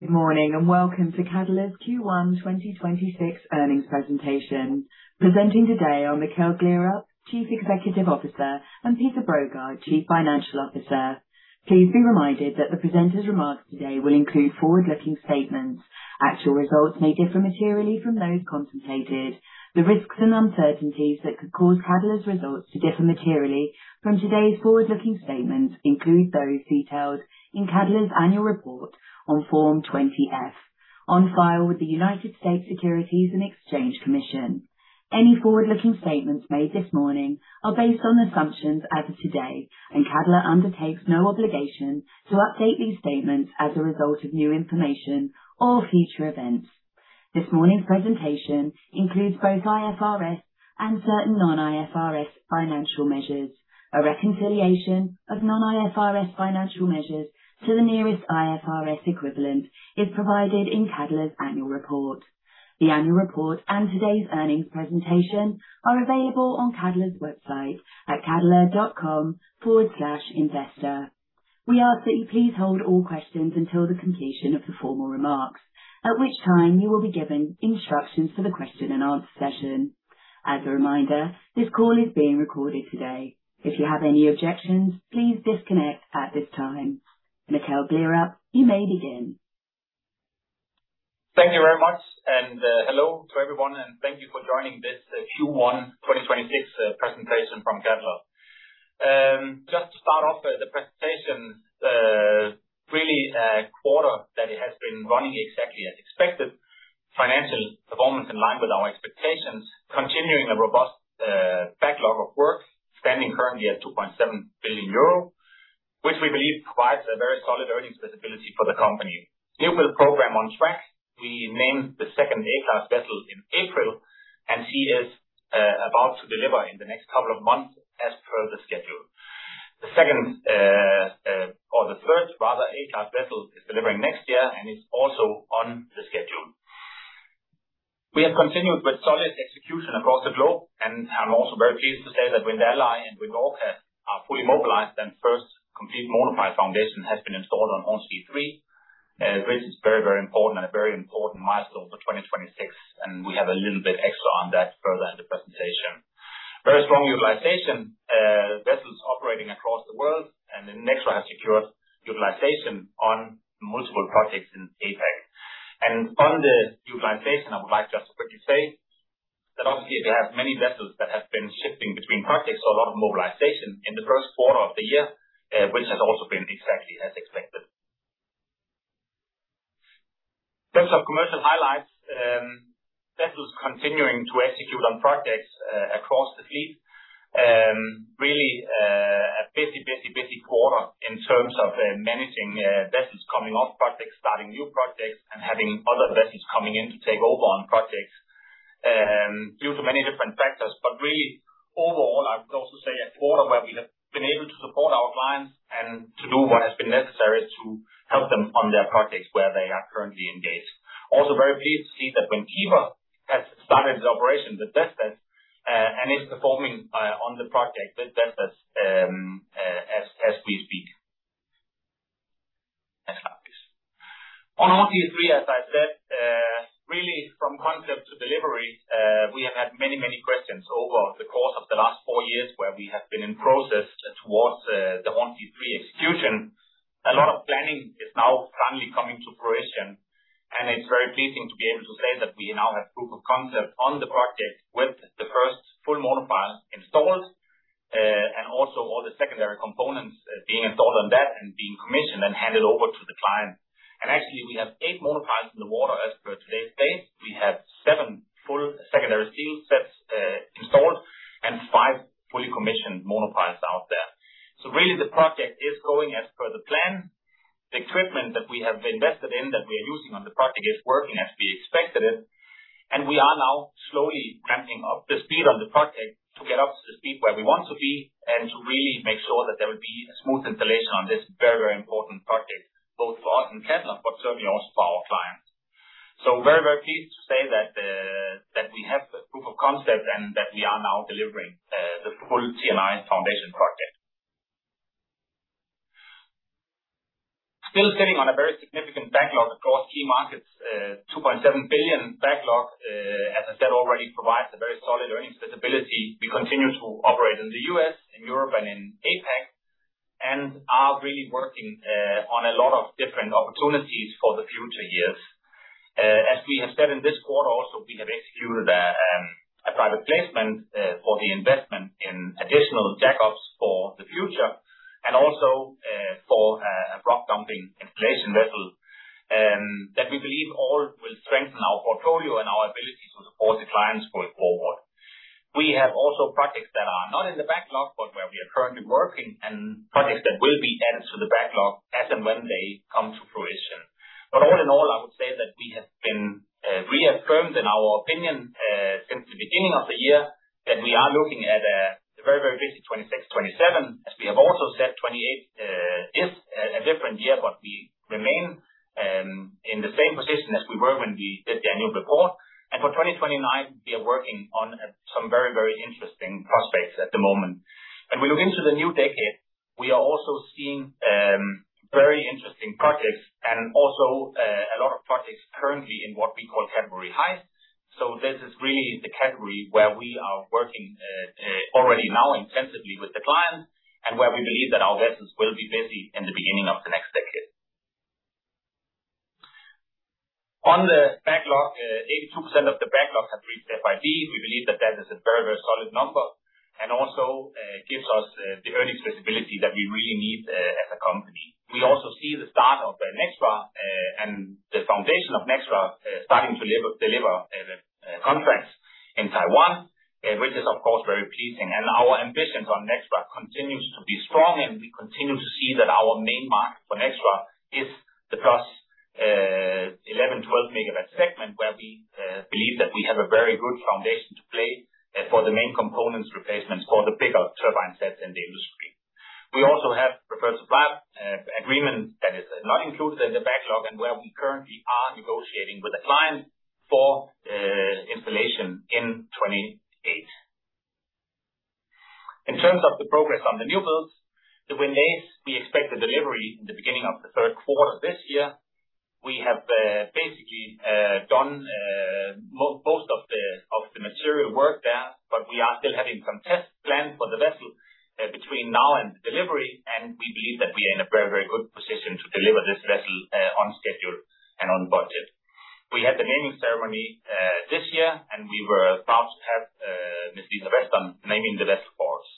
Good morning and welcome to Cadeler's Q1 2026 Earnings Presentation. Presenting today are Mikkel Gleerup, Chief Executive Officer, and Peter Brogaard Hansen, Chief Financial Officer. Please be reminded that the presenters' remarks today will include forward-looking statements. Actual results may differ materially from those contemplated. The risks and uncertainties that could cause Cadeler's results to differ materially from today's forward-looking statements include those detailed in Cadeler's Annual Report on Form 20-F, on file with the United States Securities and Exchange Commission. Any forward-looking statements made this morning are based on assumptions as of today, and Cadeler undertakes no obligation to update these statements as a result of new information or future events. This morning's presentation includes both IFRS and certain non-IFRS financial measures. A reconciliation of non-IFRS financial measures to the nearest IFRS equivalent is provided in Cadeler's Annual Report. The annual report and today's earnings presentation are available on Cadeler's website at cadeler.com/investor. We ask that you please hold all questions until the completion of the formal remarks, at which time you will be given instructions for the question and answer session. As a reminder, this call is being recorded today. If you have any objections, please disconnect at this time. Mikkel Gleerup, you may begin. Thank you very much, and hello to everyone, and thank you for joining this Q1 2026 presentation from Cadeler. Just to start off the presentation, really a quarter that has been running exactly as expected. Financial performance in line with our expectations, continuing a robust backlog of work, standing currently at 2.7 billion euro, which we believe provides a very solid earnings visibility for the company. New build program on track. We named the second A-class vessel in April, and she is about to deliver in the next couple of months as per the schedule. The second, or the third, rather, A-class vessel is delivering next year, and it's also on the schedule. We have continued with solid execution across the globe. I'm also very pleased to say that Wind Ally and Wind Orca are fully mobilized and first complete monopile foundation has been installed on Hornsea Three, which is very, very important and a very important milestone for 2026. We have a little bit extra on that further in the presentation. Very strong utilization, vessels operating across the world. Nexra has secured utilization on multiple projects in APAC. On the utilization, I would like just to quickly say that obviously we have many vessels that have been shifting between projects, a lot of mobilization in the first quarter of the year, which has also been exactly as expected. In terms of commercial highlights, vessels continuing to execute on projects across the fleet. Really, a busy, busy quarter in terms of managing vessels coming off projects, starting new projects, and having other vessels coming in to take over on projects, due to many different factors. Really, overall, I would also say a quarter where we have been able to support our clients and to do what has been necessary to help them on their projects where they are currently engaged. Also very pleased to see that Wind Keeper has started the operations with Vestas and is performing on the project with Vestas as we speak. Next slide, please. On Hornsea 3, as I said, really from concept to delivery, we have had many, many questions over the course of the last four years where we have been in process towards the Hornsea 3 execution. A lot of planning is now finally coming to fruition. It's very pleasing to be able to say that we now have proof of concept on the project with the first full monopile installed, and also all the secondary components being installed on that and being commissioned and handed over to the client. Actually, we have eight monopiles in the water as per today's date. We have seven full secondary steel sets installed and five fully commissioned monopiles out there. Really the project is going as per the plan. The equipment that we have invested in that we are using on the project is working as we expected it, and we are now slowly ramping up the speed on the project to get up to the speed where we want to be and to really make sure that there will be a smooth installation on this very, very important project, both for us and Cadeler, but certainly also for our clients. Very, very pleased to say that we have the proof of concept and that we are now delivering the full T&I foundation project. Still sitting on a very significant backlog across key markets. 2.7 billion backlog, as I said already, provides a very solid earnings visibility. We continue to operate in the U.S., in Europe, and in APAC, are really working on a lot of different opportunities for the future years. As we have said in this quarter also, we have executed a private placement for the investment in additional jack-ups for the future and also for a rock installation vessel that we believe all will strengthen our portfolio and our ability to support the clients going forward. We have also projects that are not in the backlog, but where we are currently working and projects that will be added to the backlog as and when they come to fruition. All in all, I would say that we have been reaffirmed in our opinion since the beginning of the year that we are looking at a very, very busy 2026/2027. As we have also said, 2028 is a different year, but we remain in the same position when we did the annual report. For 2029, we are working on some very, very interesting prospects at the moment. We look into the new decade, we are also seeing very interesting projects and also a lot of projects currently in what we call category high. This is really the category where we are working already now intensively with the clients and where we believe that our vessels will be busy in the beginning of the next decade. On the backlog, 82% of the backlog have reached FID. We believe that that is a very, very solid number and also gives us the earnings visibility that we really need as a company. We also see the start of Nexra and the foundation of Nexra starting to deliver contracts in Taiwan, which is of course very pleasing. Our ambitions on Nexra continues to be strong, we continue to see that our main market for Nexra is the +11 MW, 12 MW segment, where we believe that we have a very good foundation to play for the main components replacements for the bigger turbine sets in the industry. We also have preferred supply agreement that is not included in the backlog where we currently are negotiating with the client for installation in 2028. In terms of the progress on the new builds, the Wind Ace, we expect the delivery in the beginning of the third quarter this year. We have basically done most of the material work there. We are still having some test planned for the vessel between now and the delivery. We believe that we are in a very, very good position to deliver this vessel on schedule and on budget. We had the naming ceremony this year. We were about to have Ms. Lisa Western naming the vessel for us.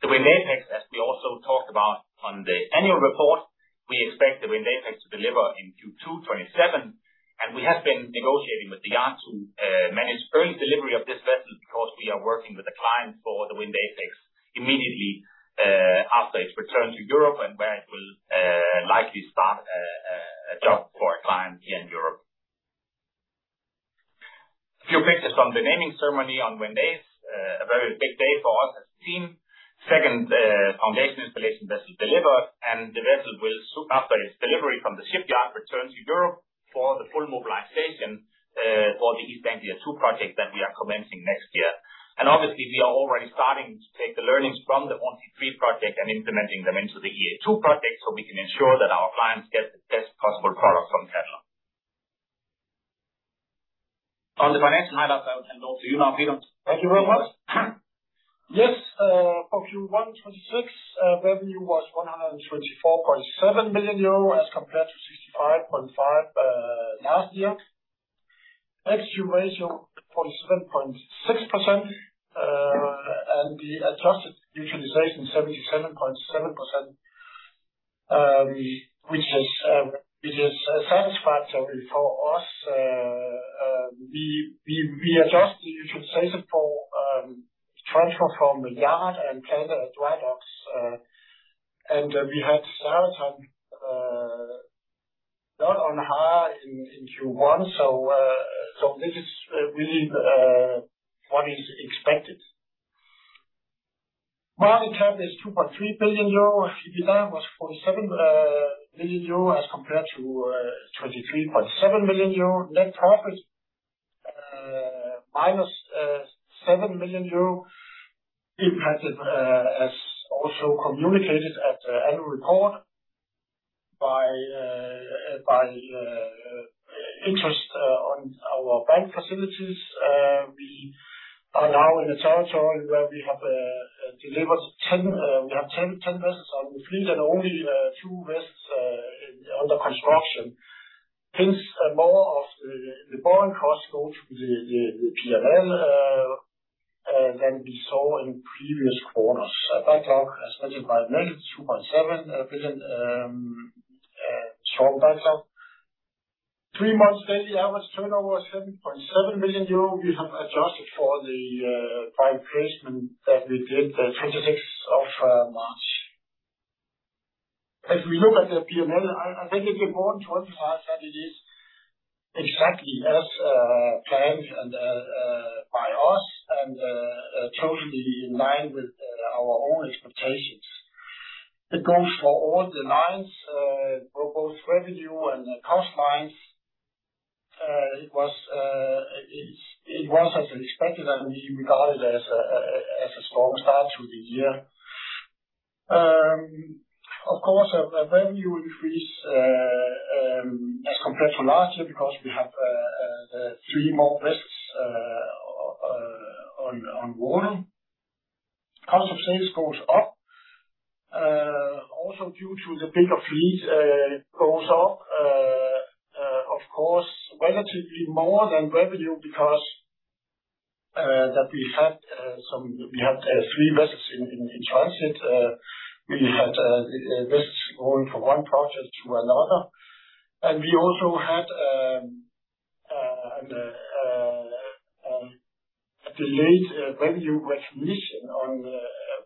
The Wind Apex, as we also talked about on the annual report, we expect the Wind Apex to deliver in Q2 2027. We have been negotiating with the yard to manage early delivery of this vessel because we are working with a client for the Wind Apex immediately after its return to Europe and where it will likely start a job for a client here in Europe. Few pictures from the naming ceremony on Wind Ace. A very big day for us as a team. Second foundation installation vessel delivered. The vessel will soon after its delivery from the shipyard return to Europe for the full mobilization for the East Anglia Two project that we are commencing next year. Obviously, we are already starting to take the learnings from the Hornsea 3 project and implementing them into the EA Two project, so we can ensure that our clients get the best possible product from Cadeler. On the financial highlight, I will hand over to you now, Peter. Thank you very much. Yes, for Q1 2026, revenue was 124.7 million euro as compared to 65.5 million last year. Equity ratio 47.6%, and the adjusted utilization 77.7%, which is satisfactory for us. We adjust the utilization for transfer from the yard and planned dry docks. And we had Wind Zaratan not on hire in Q1, so this is really what is expected. Market cap is 2.3 billion euro. EBITDA was 47 million euro as compared to 23.7 million euro. Net profit -7 million euro impacted, as also communicated at the annual report by interest on our bank facilities. We are now in a territory where we have delivered 10 vessels on the fleet and only two vessels in under construction. Hence, more of the borrowing costs go to the P&L than we saw in previous quarters. Backlog, as mentioned by Mikkel, 2.7 billion strong backlog. Three months daily average turnover, 7.7 million euro. We have adjusted for the private placement that we did the March 26th. If we look at the P&L, I think it's important to emphasize that it is exactly as planned and by us and totally in line with our own expectations. It goes for all the lines for both revenue and the cost lines. It was as expected, we regard it as a strong start to the year. Of course, our revenue increase as compared to last year because we have three more vessels on water. Cost of sales goes up also due to the bigger fleet, it goes up of course, relatively more than revenue because we had three vessels in transit. We had vessels going from one project to another. We also had a delayed revenue recognition on the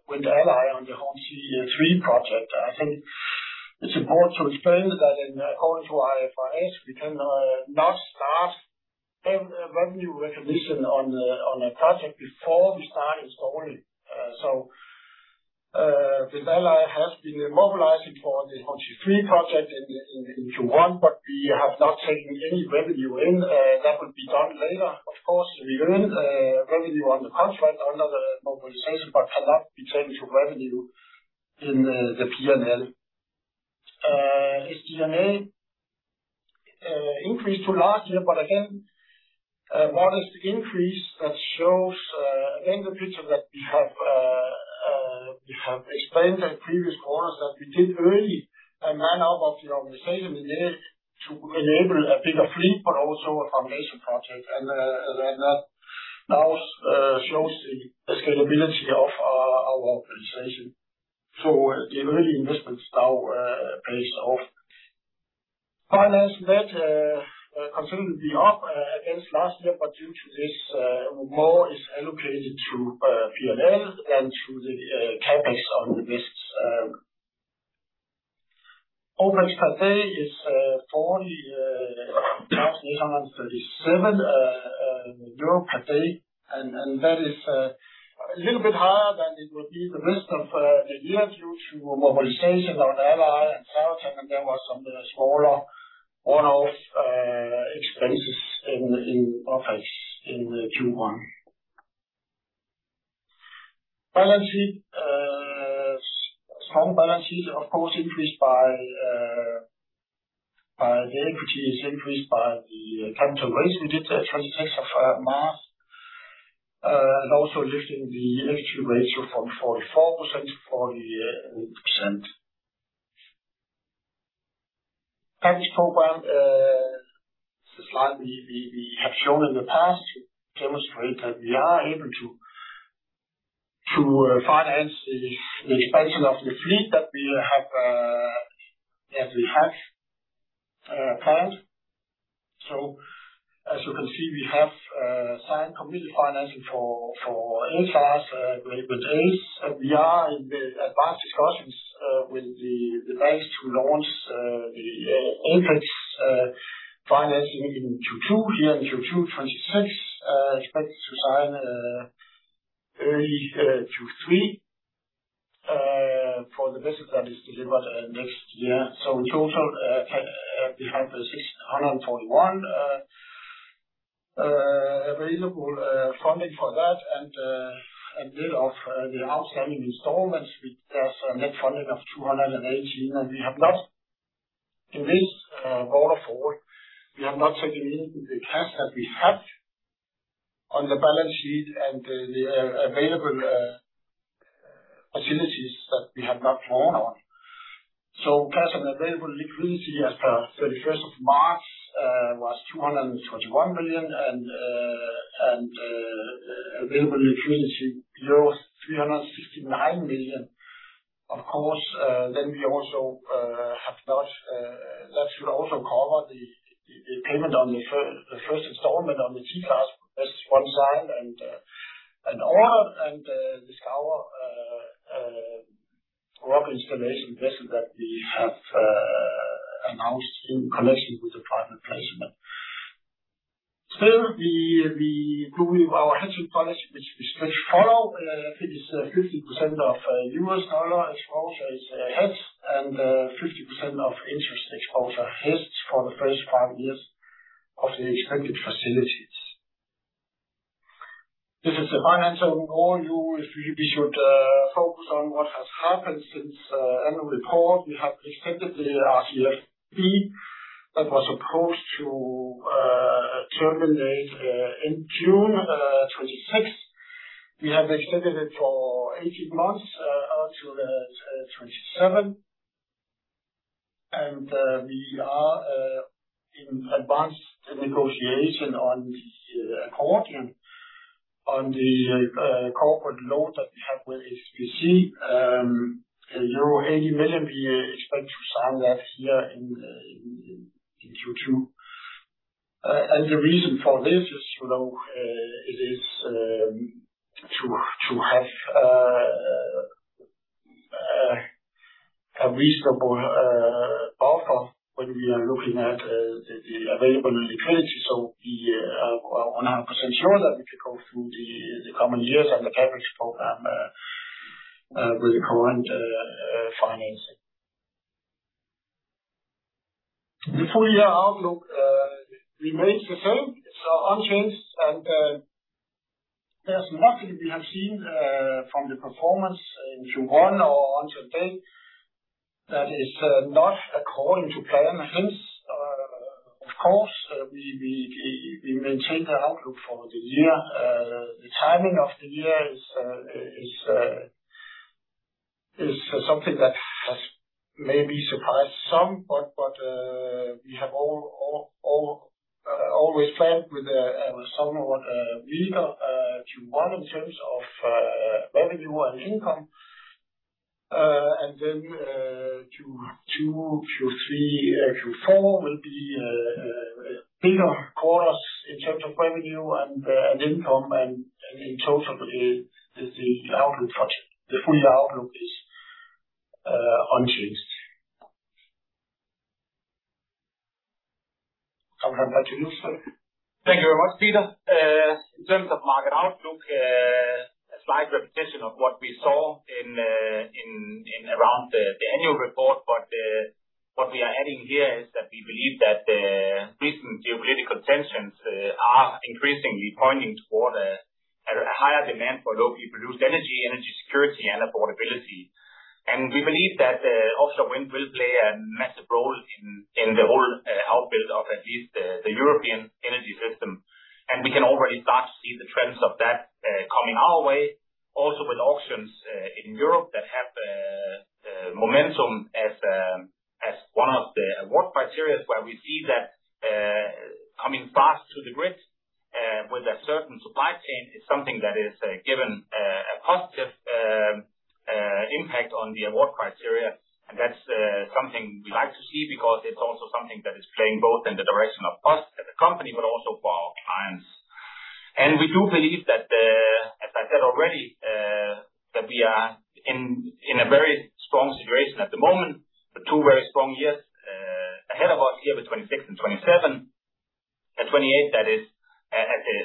Wind Ally on the Hornsea 3 project. I think it's important to explain that in accordance to IFRS, we cannot start a revenue recognition on a project before we start installing. The Wind Ally has been mobilizing for the Hornsea 3 project in Q1, we have not taken any revenue in. That will be done later. Of course, we earn revenue on the contract under the mobilization, cannot be taken to revenue in the P&L. SG&A increased to last year, again, modest increase that shows again, the picture that we have, we have explained in previous quarters that we did early a man-out of the organization to enable a bit of fleet, also a foundation project. That now shows the scalability of our organization. The early investments now pays off. Finance net, considerably up against last year, but due to this, more is allocated to P&L than to the CapEx on the list. OpEx per day is 40,837 per day. That is a little bit higher than it would be the rest of the year due to mobilization on Ally and Zaratan. There was some smaller one-offs expenses in OpEx in the Q1. Balance sheet. Strong balance sheet, of course, increased by the equity is increased by the capital raise we did at March 26th. Also lifting the equity ratio from 44% to 48%. Cash program, this is a slide we have shown in the past to demonstrate that we are able to finance the expansion of the fleet that we have planned. As you can see, we have signed committed financing for the A-class vessel Wind Ace. We are in the advanced discussions with the banks to launch the OpEx financing in Q2. Here in Q2 2026, expect to sign early Q3 for the vessel that is delivered next year. In total, we have 641 available funding for that and bit of the outstanding installments with net funding of 218. We have not in this quarter forward, we have not taken into the cash that we have on the balance sheet and the available facilities that we have not drawn on. Cash and available liquidity as per March 31st was EUR 241 million. Available liquidity below 369 million. Of course, we also have not, that should also cover the payment on the first installment on the T-class. That's one side and an order and the scour rock installation vessel that we have announced in connection with the private placement. Still, we do our hedging policy, which we stretch follow. It is 50% of U.S. dollar exposure is hedged and 50% of interest exposure hedged for the first five years of the expected facilities. This is the financial overview. We should focus on what has happened since annual report. We have extended the RCF that was supposed to terminate in June 2026. We have extended it for 18 months out to the 2027. We are in advanced negotiation on the accordion on the corporate loan that we have with SEB. Euro 80 million, we expect to sign that here in Q2. The reason for this is, you know, it is to have a reasonable offer when we are looking at the available liquidity. We are 100% sure that we can go through the coming years and the CapEx program with the current financing. The full year outlook remains the same. It's unchanged. There's nothing we have seen from the performance in Q1 or until date that is not according to plan. Hence, of course, we maintain the outlook for the year. The timing of the year is something that has maybe surprised some, but we have always planned with somewhat weaker Q1 in terms of revenue and income. Then, Q2, Q3, Q4 will be bigger quarters in terms of revenue and income and in total the full year outlook is unchanged. Thank you very much, Peter. In terms of market outlook, a slight repetition of what we saw in around the annual report. What we are adding here is that we believe that the recent geopolitical tensions are increasingly pointing toward a higher demand for locally produced energy security and affordability. We believe that offshore wind will play a massive role in the whole outbuild of at least the European energy system. We can already start to see the trends of that coming our way also with auctions in Europe that have momentum as one of the award criterias where we see that coming fast to the grid with a certain supply chain is something that is given a positive impact on the award criteria. That's something we like to see because it's also something that is playing both in the direction of us as a company, but also for our clients. We do believe that, as I said already, that we are in a very strong situation at the moment, with two very strong years ahead of us here with 2026 and 2027. At 2028, that is,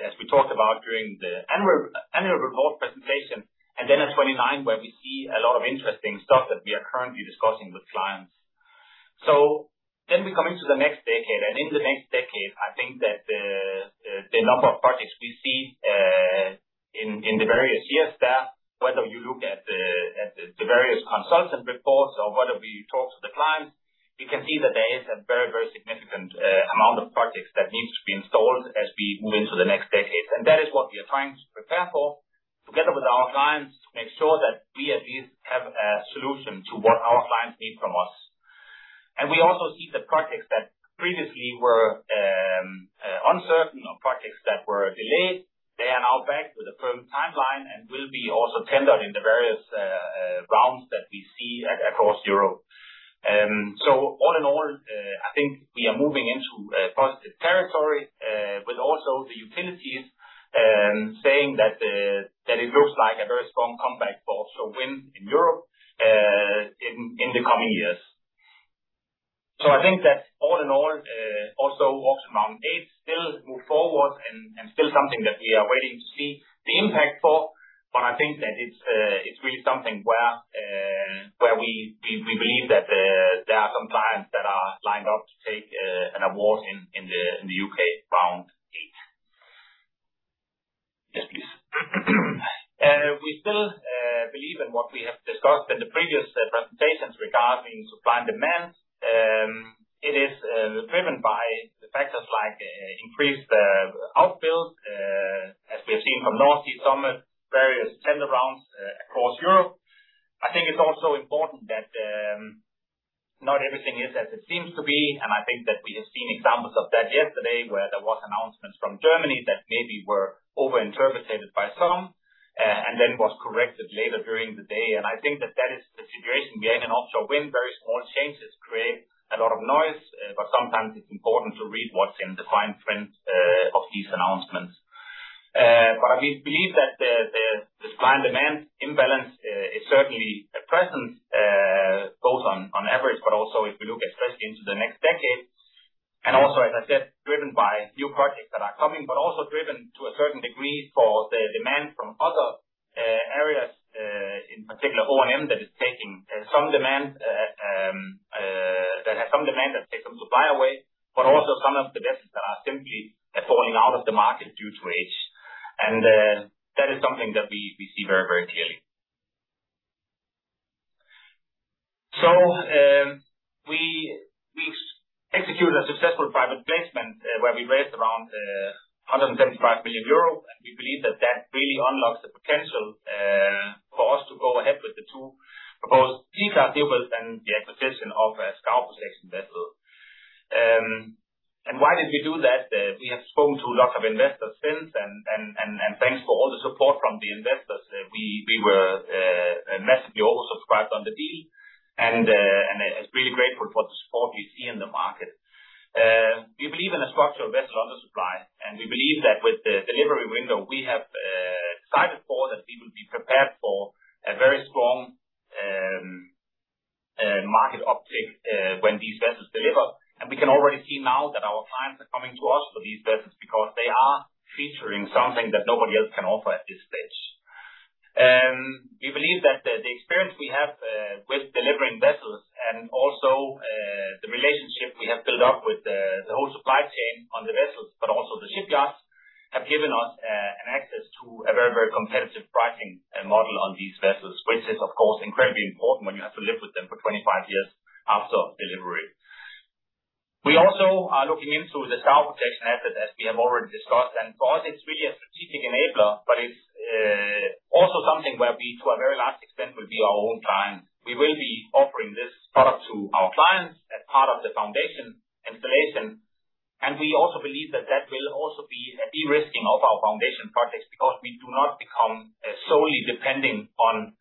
as we talked about during the annual report presentation, at 2029, where we see a lot of interesting stuff that we are currently discussing with clients. We come into the next decade, and in the next decade, I think that the number of projects we see in the various years there, whether you look at the various consultant reports or whether we talk to the clients, you can see that there is a very significant amount of projects that needs to be installed as we move into the next decade. That is what we are trying to prepare for together with our clients, to make sure that we at least have a solution to what our clients need from us. We also see that projects that previously were uncertain or projects that were delayed, they are now back with a firm timeline and will be also tendered in the various rounds that we see across Europe. All in all, I think we are moving into a positive territory, with also the utilities, saying that it looks like a very strong comeback for offshore wind in Europe, in the coming years. I think that all in all, also Allocation Round 8 still move forward and still something that we are waiting to see the impact for. I think that it's really something where we believe that there are some clients that are lined up to take an award in the U.K. Allocation Round 8. Yes, please. We still believe in what we have discussed in the previous presentations regarding supply and demand. It is driven by the factors like increased outbuild, as we have seen from North Sea Summit, various tender rounds across Europe. I think it's also important that not everything is as it seems to be, and I think that we have seen examples of that yesterday, where there was announcements from Germany that maybe were overinterpreted by some and then was corrected later during the day. I think that that is the situation we have in offshore wind. Very small changes create a lot of noise, sometimes it's important to read what's in the fine print of these announcements. We believe that the supply and demand imbalance is certainly present, both on average, also if we look especially into the next decade. Also, as I said, driven by new projects that are coming, but also driven to a certain degree for the demand from other areas, in particular O&M, that is taking some demand that has some demand that takes them to fly away, but also some of the vessels are simply falling out of the market due to age. That is something that we see very, very clearly. We've executed a successful private placement where we raised around 175 million euros. We believe that that really unlocks the potential for us to go ahead with the two proposed deals and the acquisition of a scour protection vessel. Why did we do that? We have spoken to a lot of investors since and thanks for all the support from the investors. We were massively oversubscribed on the deal and are really grateful for the support we see in the market. We believe in a structural vessel undersupply, and we believe that with the delivery window we have decided for that we will be prepared for a very strong market uptick when these vessels deliver. We can already see now that our clients are coming to us for these vessels because they are featuring something that nobody else can offer at this stage. We believe that the experience we have with delivering vessels and also the relationship we have built up with the whole supply chain on the vessels, but also the shipyards have given us an access to a very, very competitive pricing model on these vessels, which is of course incredibly important when you have to live with them for 25 years after delivery. We also are looking into the scour protection asset, as we have already discussed, and for us it's really a strategic enabler, but it's also something where we to a very large extent will be our own client. We will be offering this product to our clients as part of the foundation installation. We also believe that that will also be a de-risking of our foundation projects because we do not become solely depending on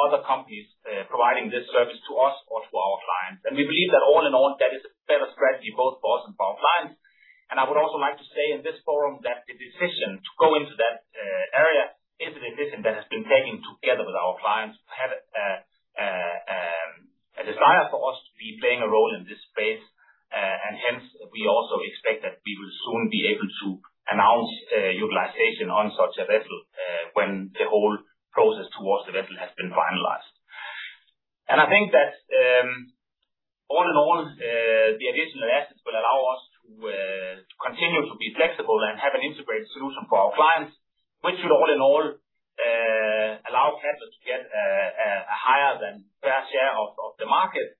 other companies providing this service to us or to our clients. We believe that all in all, that is a better strategy both for us and for our clients. I would also like to say in this forum that the decision-been taking together with our clients, have a desire for us to be playing a role in this space. Hence, we also expect that we will soon be able to announce utilization on such a vessel when the whole process towards the vessel has been finalized. I think that, all in all, the additional assets will allow us to continue to be flexible and have an integrated solution for our clients, which should all in all allow Cadeler to get a higher than fair share of the market.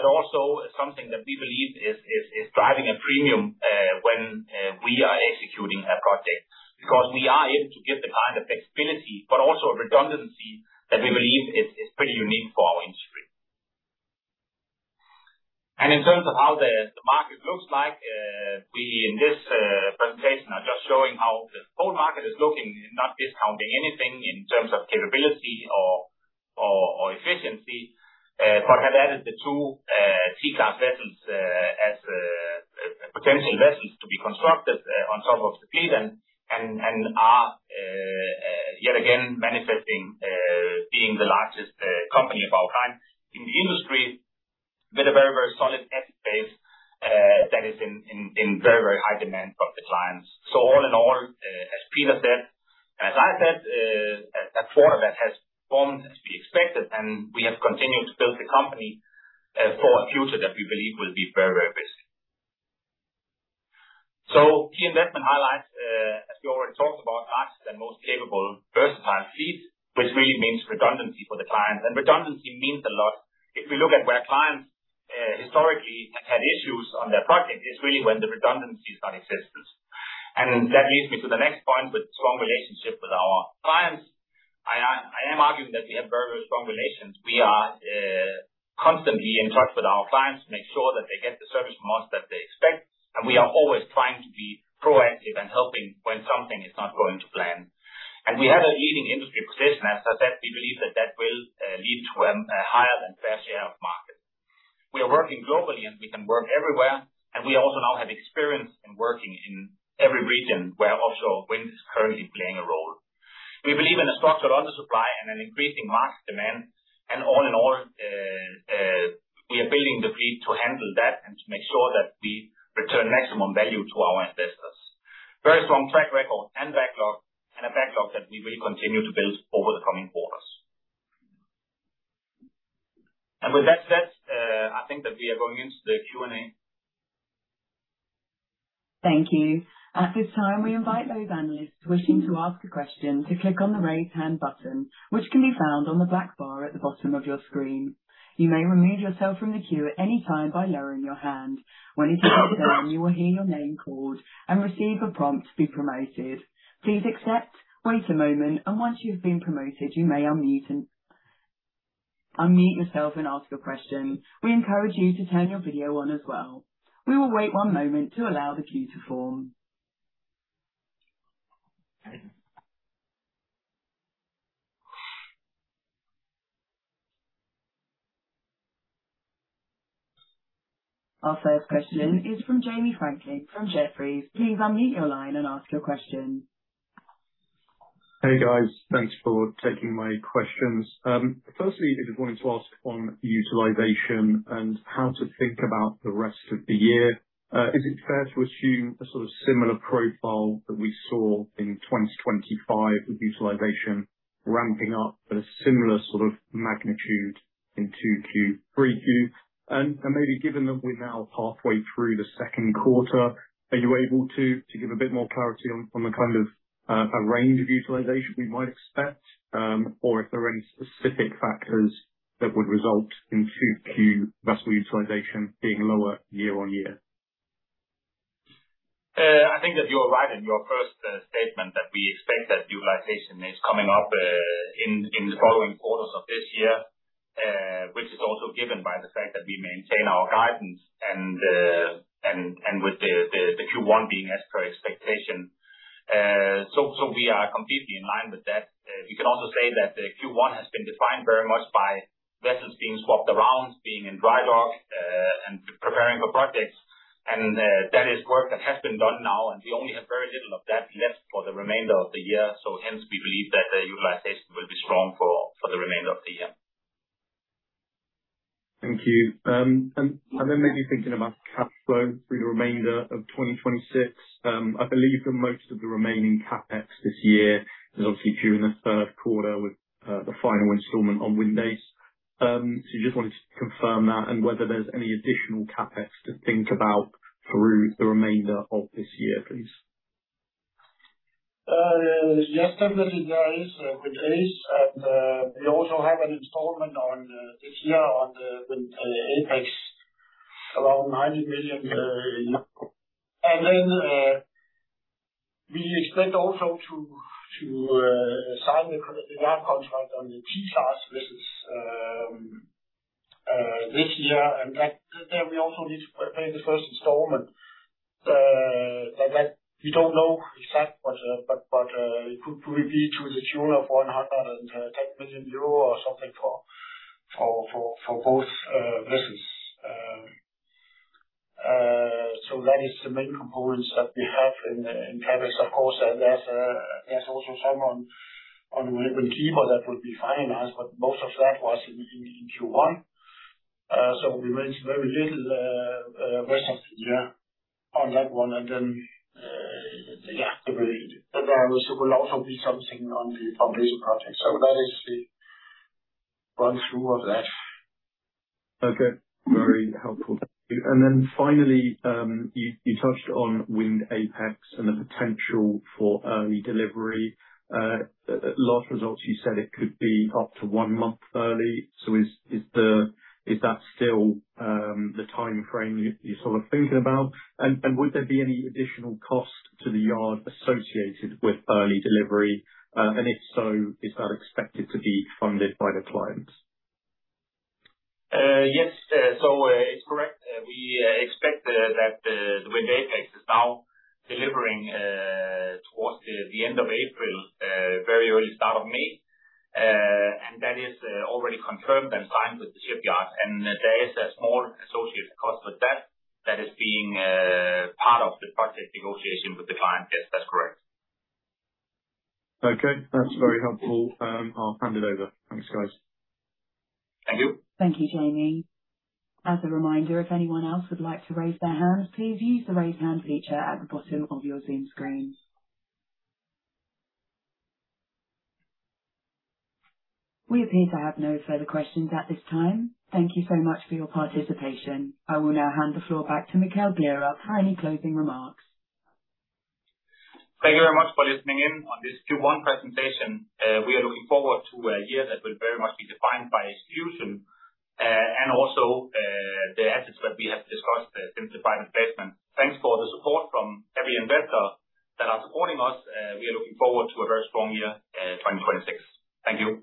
Also something that we believe is driving a premium when we are executing a project, because we are able to give the client the flexibility but also a redundancy that we believe is pretty unique for our industry. In terms of how the market looks like, we in this presentation are just showing how the whole market is looking, not discounting anything in terms of capability or efficiency. Have added the two C-class vessels as potential vessels to be constructed on top of the fleet. Are yet again manifesting being the largest company of our kind in the industry with a very, very solid asset base that is in very, very high demand from the clients. All in all, as Peter said, as I said, a quarter that has performed as we expected and we have continued to build the company for a future that we believe will be very, very busy. Key investment highlights, as we already talked about, larger and most capable versatile fleet, which really means redundancy for the clients. Redundancy means a lot. If we look at where clients, historically have had issues on their project, it's really when the redundancy is not existent. That leads me to the next point, with strong relationship with our clients. I am arguing that we have very strong relations. We are constantly in touch with our clients to make sure that they get the service from us that they expect. We are always trying to be proactive and helping when something is not going to plan. We have a leading industry position. As I said, we believe that that will lead to a higher than fair share of market. We are working globally and we can work everywhere. We also now have experience in working in every region where offshore wind is currently playing a role. We believe in a structural undersupply and an increasing market demand. All in all, we are building the fleet to handle that and to make sure that we return maximum value to our investors. Very strong track record and backlog, and a backlog that we will continue to build over the coming quarters. With that said, I think that we are going into the Q&A. Thank you. At this time, we invite those analysts wishing to ask a question to click on the Raise Hand button, which can be found on the black bar at the bottom of your screen. You may remove yourself from the queue at any time by lowering your hand. When it's your turn, you will hear your name called and receive a prompt to be promoted. Please accept, wait a moment, and once you've been promoted, you may unmute yourself and ask your question. We encourage you to turn your video on as well. We will wait one moment to allow the queue to form. Our first question is from Jamie Franklin from Jefferies. Please unmute your line and ask your question. Hey, guys. Thanks for taking my questions. Firstly, I just wanted to ask on utilization and how to think about the rest of the year. Is it fair to assume a sort of similar profile that we saw in 2025 with utilization ramping up at a similar sort of magnitude in 2Q, 3Q? Maybe given that we're now halfway through the second quarter, are you able to give a bit more clarity on the kind of a range of utilization we might expect, or if there are any specific factors that would result in 2Q vessel utilization being lower year-on-year? I think that you're right in your first statement that we expect that utilization is coming up in the following quarters of this year. Which is also given by the fact that we maintain our guidance and with the Q1 being as per expectation. We are completely in line with that. We can also say that the Q1 has been defined very much by vessels being swapped around, being in dry dock, and preparing for projects. That is work that has been done now, and we only have very little of that left for the remainder of the year. Hence, we believe that the utilization will be strong for the remainder of the year. Thank you. Maybe thinking about cash flow through the remainder of 2026. I believe that most of the remaining CapEx this year is obviously due in the third quarter with the final installment on Wind Ace. Just wanted to confirm that and whether there's any additional CapEx to think about through the remainder of this year, please. Yes, definitely there is with Ace. We also have an installment on this year on the Wind Apex, around EUR 90 million. We expect also to sign the last contract on the T-class. This is this year. There we also need to pay the first installment. But that we don't know exact what, it could probably be to the tune of 110 million euro or something for both vessels. The main components that we have in CapEx, of course, there's also some on Wind Keeper that will be finalized, but most of that was in Q1. So we made very little rest of the year on that one. There will also be something on the foundation project. That is the run through of that. Okay. Very helpful. Thank you. Finally, you touched on Wind Apex and the potential for early delivery. At last results, you said it could be up to one month early. Is that still the timeframe you're sort of thinking about? Would there be any additional cost to the yard associated with early delivery? If so, is that expected to be funded by the clients? Yes. It's correct. We expect that the Wind Apex is now delivering towards the end of April, very early start of May. That is already confirmed and signed with the shipyards. There is a small associated cost with that. That is being part of the project negotiation with the client. Yes, that's correct. Okay. That's very helpful. I'll hand it over. Thanks, guys. Thank you. Thank you, Jamie. As a reminder, if anyone else would like to raise their hands, please use the Raise Hand feature at the bottom of your Zoom screen. We appear to have no further questions at this time. Thank you so much for your participation. I will now hand the floor back to Mikkel Gleerup for any closing remarks. Thank you very much for listening in on this Q1 presentation. We are looking forward to a year that will very much be defined by execution, and also, the assets that we have discussed since the private placement. Thanks for the support from every investor that are supporting us. We are looking forward to a very strong year, 2026. Thank you.